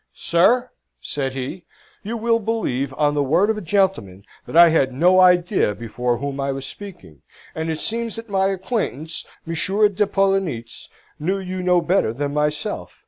"Sir," said he, "you will believe, on the word of a gentleman, that I had no idea before whom I was speaking, and it seems that my acquaintance, Monsieur de Poellnitz, knew you no better than myself.